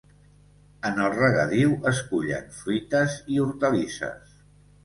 En el regadiu es cullen fruites i hortalisses.